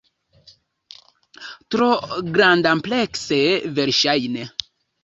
Tro grandamplekse, verŝajne.